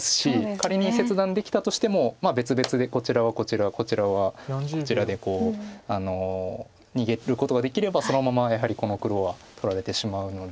仮に切断できたとしても別々でこちらはこちらこちらはこちらで逃げることができればそのままやはりこの黒は取られてしまうので。